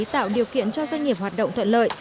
tạo điều kiện cho doanh nghiệp hoạt động thuận lợi